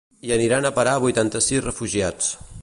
Hi aniran a parar vuitanta-sis refugiats.